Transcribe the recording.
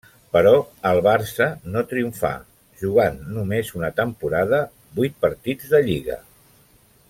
Però al Barça no triomfà, jugant només una temporada, vuit partits de lliga.